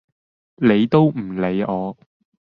理都唔理我